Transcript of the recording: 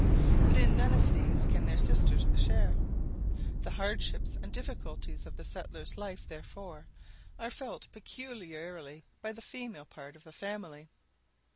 But in none of these can their sisters share. The hardships and difficulties of the settler's life, therefore, are felt peculiarly by the female part of the family.